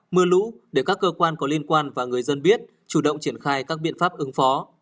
mưa lũ để các cơ quan có liên quan và người dân biết chủ động triển khai các biện pháp ứng phó